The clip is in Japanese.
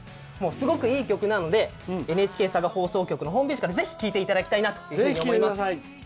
すごくいい曲なのでＮＨＫ佐賀放送局のホームページからぜひ聴いていただきたいなと思います。